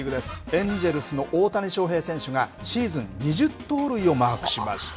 エンジェルスの大谷翔平選手が、シーズン２０盗塁をマークしました。